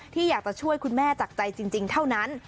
ที่อยากจะช่วยคุณแม่จากใจจริงเท่านั้น